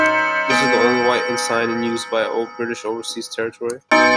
This is the only white ensign in use by a British Overseas Territory.